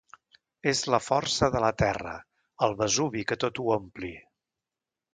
És la força de la terra, el Vesuvi que tot ho ompli...